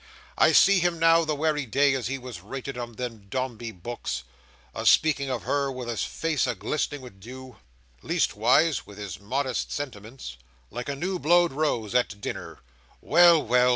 I see him now, the wery day as he was rated on them Dombey books, a speaking of her with his face a glistening with doo—leastways with his modest sentiments—like a new blowed rose, at dinner. Well, well!